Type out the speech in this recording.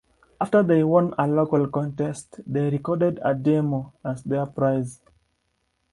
After they won a local contest, they recorded a demo as their prize.